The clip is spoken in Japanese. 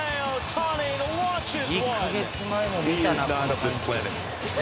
１か月前も見たな。